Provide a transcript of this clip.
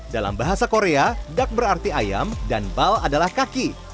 dalam bahasa korea dak berarti ayam dan bal adalah kaki